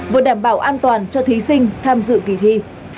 vừa đảm bảo an toàn cho thí sinh tham dự kỳ thi